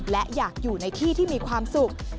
และอยากอยู่ในที่ที่มีความสุข